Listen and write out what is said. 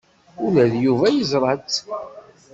Ula d Yuba yeẓra-tt.